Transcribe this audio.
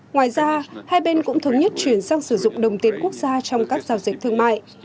ngoài ra hai bên cũng thống nhất chuyển sang sử dụng đồng tiền quốc gia trong các giao dịch thương mại